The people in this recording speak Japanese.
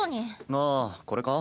ああこれか？